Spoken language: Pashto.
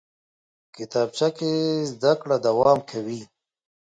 کتابچه کې زده کړه دوام کوي